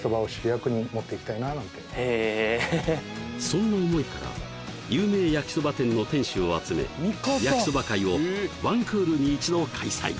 そんな思いから有名焼きそば店の店主を集め焼きそば会を１クールに１度開催